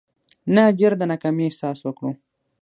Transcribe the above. نه ډېر د ناکامي احساس وکړو.